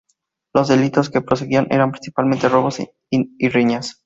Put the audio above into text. Los delitos que proseguía eran principalmente robos y riñas.